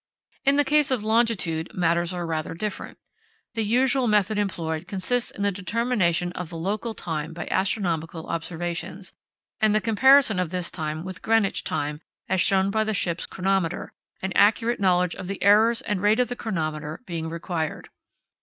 In the case of longitude matters are rather different. The usual method employed consists in the determination of the local time by astronomical observations, and the comparison of this time with Greenwich time, as shown by the ship's chronometer, an accurate knowledge of the errors and rate of the chronometer being required.